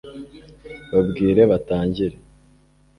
babwire batangire